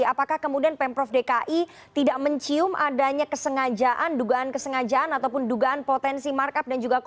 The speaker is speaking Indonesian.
apakah kemudian pemprov dki tidak mencium adanya kesengajaan dugaan kesengajaan ataupun dugaan potensi markup dan juga